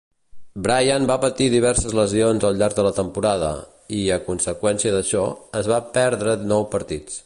Bryant va patir diverses lesions al llarg de la temporada i, a conseqüència d'això, es va perdre nou partits.